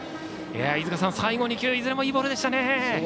飯塚さん、最後の２球いずれもいいボールでしたね。